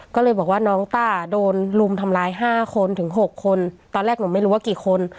ก็เลยบอกว่าน้องต้าโดนลุมทำร้าย๕คนถึง๖คนตอนแรกหนูไม่รู้ว่ากี่คน